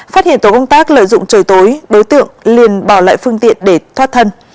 phát hiện tổ công tác lợi dụng trời tối đối tượng liền bỏ lại phương tiện để thoát thân